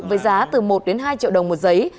với giá từ một hai triệu đồng một giấy